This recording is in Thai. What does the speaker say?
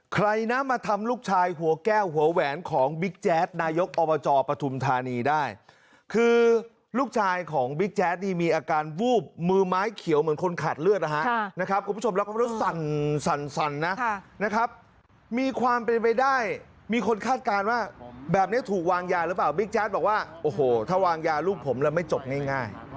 ใครนำมาทำลูกชายหัวแก้วหัวแหวนของ